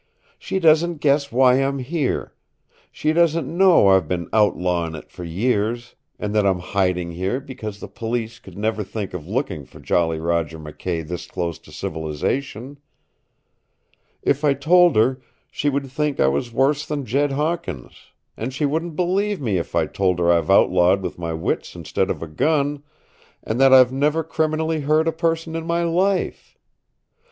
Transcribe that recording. She doesn't guess why I'm here. She doesn't know I've been outlawin' it for years, and that I'm hiding here because the Police would never think of looking for Jolly Roger McKay this close to civilization. If I told her, she would think I was worse than Jed Hawkins, and she wouldn't believe me if I told her I've outlawed with my wits instead of a gun, and that I've never criminally hurt a person in my life.